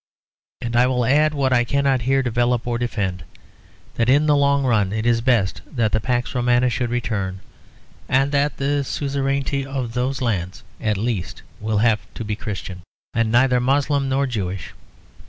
And I will add what I cannot here develop or defend; that in the long run it is best that the Pax Romana should return; and that the suzerainty of those lands at least will have to be Christian, and neither Moslem nor Jewish.